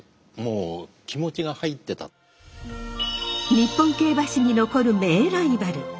日本競馬史に残る名ライバル。